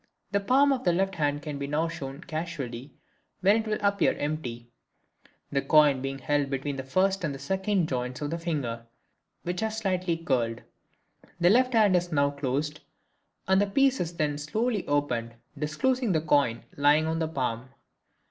The palm of the left hand can now be shown casually, when it will appear empty, the coin being held between the first and second joints of the fingers, which are slightly curled. The left hand is now closed and the piece is then slowly opened, disclosing the coin lying on the palm.